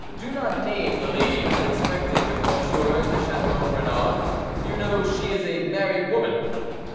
"Do not name the lady who is expected with M. de Chateau Renaud, you know she is a married woman!"